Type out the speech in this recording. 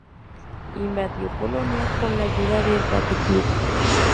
Invadió Polonia con la ayuda de Svatopluk.